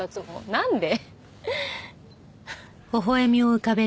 なんで？